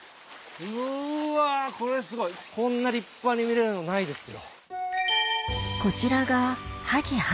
うわこれすごいこんな立派に見れるのないですよ。